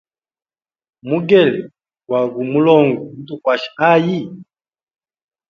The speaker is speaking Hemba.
Mugele gwa gu mulongo, gumutukwasha ayi?